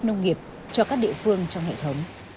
nông nghiệp cho các địa phương trong hệ thống